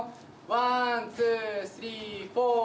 ワンツースリーフォー。